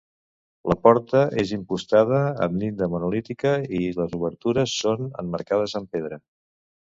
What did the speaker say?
La porta és impostada amb llinda monolítica i les obertures són emmarcades amb pedra.